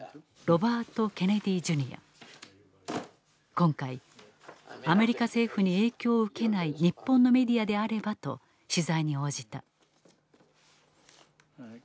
今回「アメリカ政府に影響を受けない日本のメディアであれば」と取材に応じた。